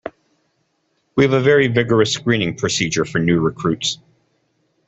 We have a very vigorous screening procedure for new recruits.